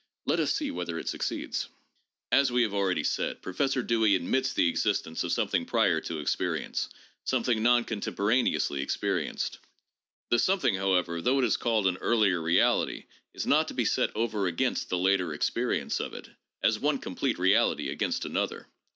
Let us see whether it succeeds. As we have already said, Professor Dewey admits the exist ence of something prior to experience, — something " non con temporaneously experienced." This something, however, though it is called an " earlier reality," is not to be set over against the " later experience " of it, as one complete reality against another.